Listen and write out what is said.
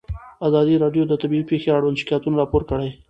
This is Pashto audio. ازادي راډیو د طبیعي پېښې اړوند شکایتونه راپور کړي.